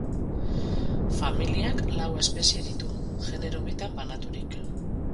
Familiak lau espezie ditu, genero bitan banaturik.